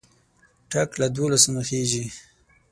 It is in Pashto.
ټک له دوو لاسونو خېژي.